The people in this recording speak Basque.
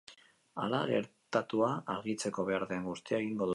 Hala, gertatua argitzeko behar den guztia egingo dutela esan du.